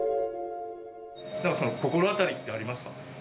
なんかその心当たりってありますか？